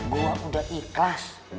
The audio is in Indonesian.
gue udah ikhlas